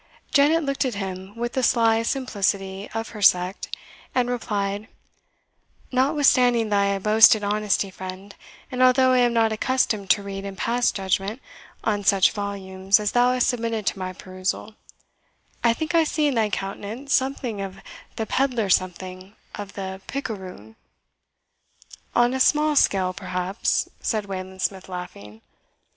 Janet looked at him with the sly simplicity of her sect, and replied, "Notwithstanding thy boasted honesty, friend, and although I am not accustomed to read and pass judgment on such volumes as thou hast submitted to my perusal, I think I see in thy countenance something of the pedlar something of the picaroon." "On a small scale, perhaps," said Wayland Smith, laughing.